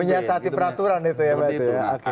menyiasati peraturan itu ya